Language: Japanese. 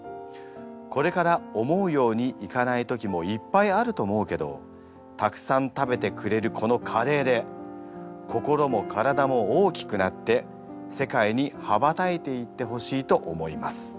これから思うようにいかない時もいっぱいあると思うけどたくさん食べてくれるこのカレーで心も体も大きくなって世界に羽ばたいていってほしいと思います。